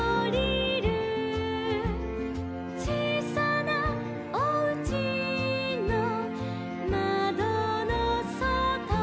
「ちいさなおうちのまどのそと」